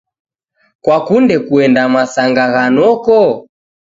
Kwakunde kuenda masanga gha noko?.